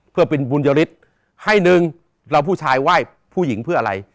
เพื่อเป็นบุญยฤทธิ์ให้หนึ่งเราผู้ชายไหว้ผู้หญิงเพื่ออะไร